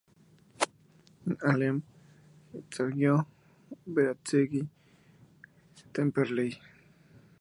N. Alem, Ituzaingó, Berazategui, Temperley.